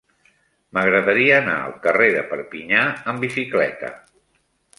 M'agradaria anar al carrer de Perpinyà amb bicicleta.